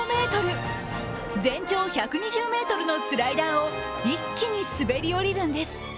全長１２０ｍのスライダーを一気に滑り降りるんです。